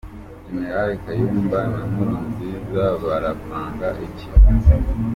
Gen. Kayumba na Nkurunziza barapanga iki ?